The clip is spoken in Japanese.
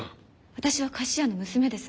私は菓子屋の娘です。